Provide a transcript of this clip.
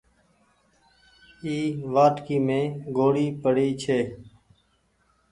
اي وآٽڪي مين ڳوڙي پري ڇي۔